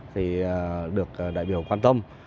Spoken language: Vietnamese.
thì được đại biểu quan tâm